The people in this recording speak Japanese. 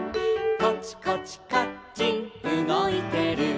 「コチコチカッチンうごいてる」